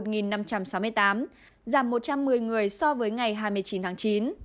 giảm một trăm một mươi người so với ngày hai mươi chín tháng chín